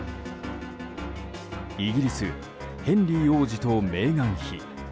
イギリスヘンリー王子とメーガン妃。